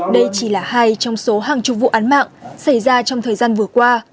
đây chỉ là hai trong số hàng chục vụ án mạng xảy ra trong thời gian vừa qua